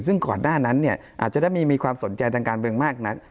ซึ่งก่อนหน้านั้นเนี่ยอาจจะได้มีความสนใจทางการเมืองมากนัก